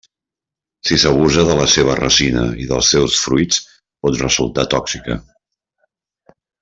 Si s'abusa de la seva resina i dels seus fruits pot resultar tòxica.